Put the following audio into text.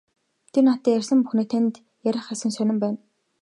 Тэр надад ярьсан бүхнээ танд ярих эсэх нь сонин байна.